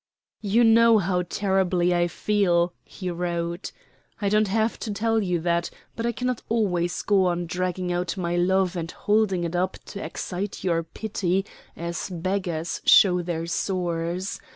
"You know how terribly I feel," he wrote; "I don't have to tell you that, but I cannot always go on dragging out my love and holding it up to excite your pity as beggars show their sores.